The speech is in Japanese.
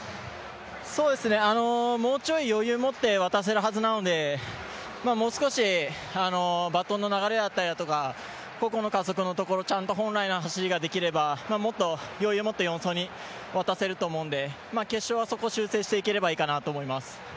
もうちょい余裕を持って渡せるはずなので、もう少しバトンの流れだったりだとか、個々の加速のところ、ちゃんと本来の走りができればもっと余裕持って４走に渡せると思うんで決勝はそこ修正していければいいかなと思います。